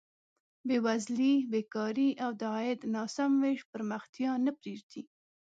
بېوزلي، بېکاري او د عاید ناسم ویش پرمختیا نه پرېږدي.